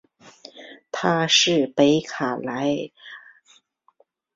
他是北卡罗来纳州体育名人堂的一员。